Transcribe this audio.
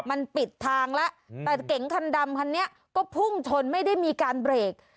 มันปิดทางแล้วแต่เก๋งคันดำคันนี้ก็พุ่งชนไม่ได้มีการเบรก